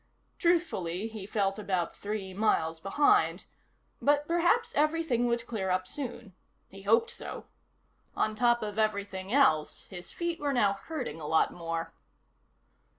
Truthfully, he felt about three miles behind. But perhaps everything would clear up soon. He hoped so. On top of everything else, his feet were now hurting a lot more.